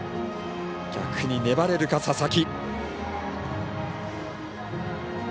逆に粘れるか、佐々木。